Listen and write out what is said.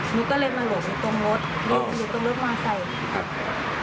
หนูก็เลยมาหลวงอยู่ตรงรถอยู่ตรงรถมาไซค์